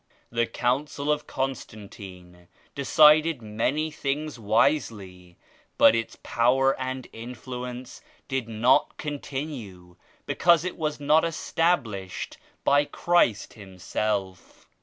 The Council of Constant ine decided many things wisely but its power and influence did not continue because it was not established by Christ Himself.